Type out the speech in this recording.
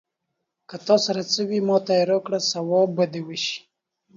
که تا سره څه وي، ماته يې راکړه ثواب به دې وشي.